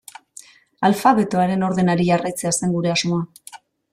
Alfabetoaren ordenari jarraitzea zen gure asmoa.